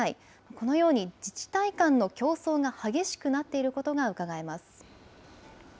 このように、自治体間の競争が激しくなっていることがうかがえます。